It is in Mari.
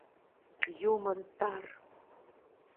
Юмын тар!